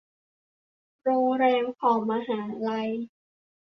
โรงแรมของมหาลัย